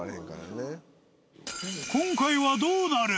今回はどうなる？